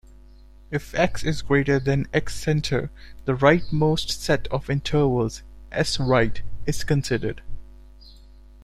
If "x" is greater than "x_center", the rightmost set of intervals, "S_right", is considered.